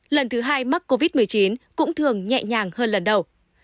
lần thứ hai mắc covid một mươi chín cũng thường nhẹ nhàng hơn lần đầu